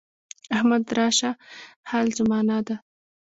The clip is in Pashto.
احمد راشه حال زمانه ده.